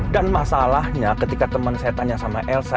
dan masalahnya ketika temen saya tanya sama elsa